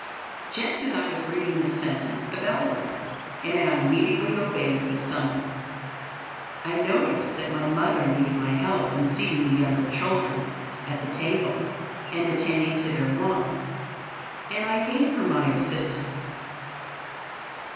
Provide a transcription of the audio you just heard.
Just as I was reading this sentence the bell rang, and I immediately obeyed the summons. I noticed that my mother needed my help in seating the younger children at the table and attending to their wants, and I gave her my assistance.